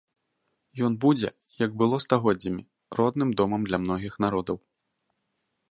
Ён будзе, як было стагоддзямі, родным домам для многіх народаў.